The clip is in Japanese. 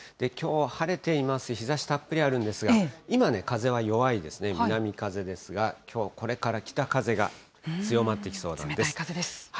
きょう、晴れています、日ざしたっぷりあるんですが、今、風は弱いですね、南風ですが、きょうはこれから北風が強まってきそうな冷たい風です。